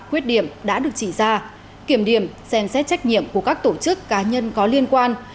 khuyết điểm đã được chỉ ra kiểm điểm xem xét trách nhiệm của các tổ chức cá nhân có liên quan